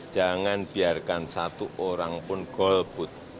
jangan biarkan satu orang pun golput